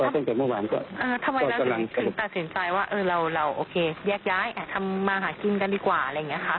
อ๋อทำไมนั้นคือตัดสินใจว่าเราแยกย้ายทำมาหากินกันดีกว่าอะไรอย่างนี้คะ